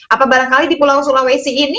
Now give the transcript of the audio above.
apa barangkali di pulau sulawesi ini